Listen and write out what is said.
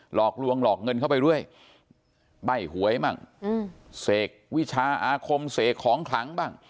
หลอกลวงหลอกเงินเข้าไปเรื่อยใบ้หวยบ้างเสกวิชาอาคมเสกของขลังบ้าง